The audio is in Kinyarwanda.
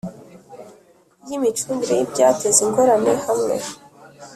y imicungire y ibyateza ingorane hamwe